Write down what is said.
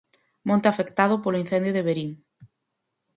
Monte afectado polo incendio de Verín.